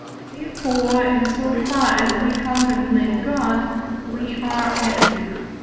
wherefore, in so far as we contemplate God, we are active (III.